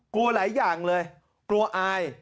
กลัวหลายอย่างเลยกลัวอาย